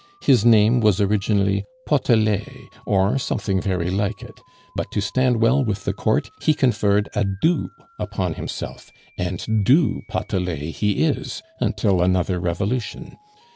His name was originally Potelet, or something very like it; but to stand well with the Court, he conferred a du upon himself, and du Potelet he is until another revolution.